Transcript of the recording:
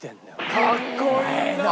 かっこいいな！